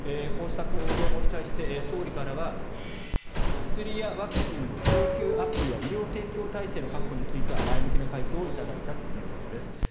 こうした要望に対して総理からは薬やワクチンの供給アップや医療提供体制の確保については前向きな回答を頂いたということです。